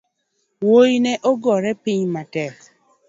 Wuoi ne ogore piny matek